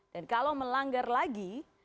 dan kalau melanggar lagi